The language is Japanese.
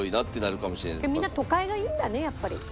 みんな都会がいいんだねやっぱり。